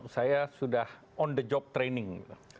saya sudah on the job training